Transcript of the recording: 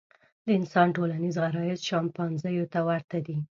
د انسان ټولنیز غرایز شامپانزیانو ته ورته دي.